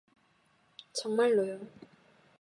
정말로요.